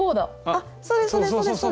あっそうですそうです。